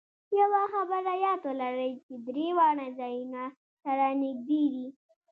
یوه خبره یاد ولرئ چې درې واړه ځایونه سره نږدې دي.